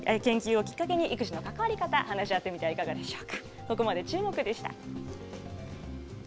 今回の研究をきっかけに、育児の関わり方、話し合ってみてはいかがでしょうか？